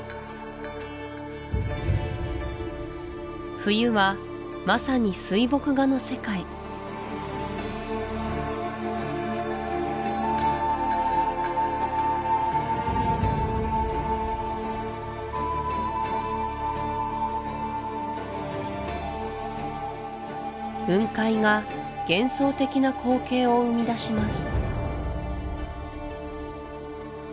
冬はまさに雲海が幻想的な光景を生み出します